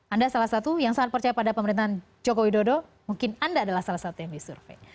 anda salah satu yang sangat percaya pada pemerintahan joko widodo mungkin anda adalah salah satu yang disurvey